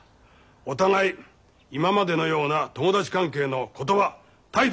お互い今までのような友達関係の言葉態度